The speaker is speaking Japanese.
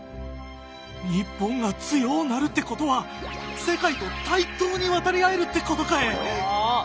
日本が強おなるってことは世界と対等に渡り合えるってことかえ！